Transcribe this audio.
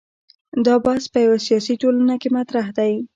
دا بحث په یوه سیاسي ټولنه کې مطرح دی.